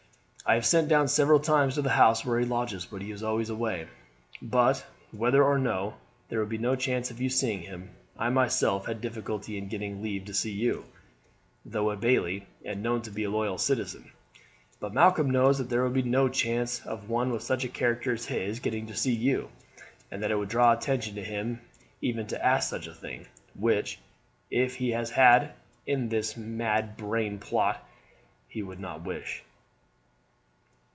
"I have sent down several times to the house where he lodges, but he is always away; but, whether or no, there would be no chance of your seeing him. I myself had difficulty in getting leave to see you, though a bailie and known to be a loyal citizen. But Malcolm knows that there would be no chance of one with such a character as his getting to see you, and that it would draw attention to him even to ask such a thing, which, if he has a hand in this mad brain plot, he would not wish."